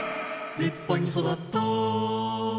「立派に育ったー」